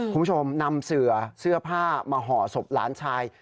คุณผู้ชมนำเสือเสื้อผ้ามาห่อศพหลานชาย